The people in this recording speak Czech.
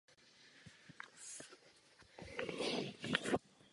Jeho velkou výhodou oproti jiným datovým zdrojům je rychlé vykreslování a možnost editace.